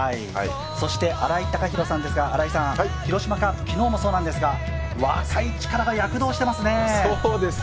そして新井貴浩さんですが、広島カープ、昨日もそうなんですが、若い力が躍動してますね。